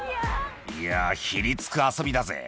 「いやひりつく遊びだぜ」